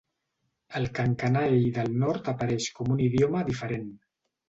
El kankanaey del nord apareix com un idioma diferent.